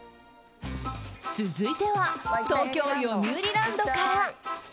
続いては東京よみうりランドから。